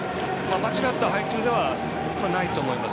間違った配球ではないと思います。